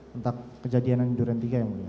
tentang kejadian di durian tiga ya muridnya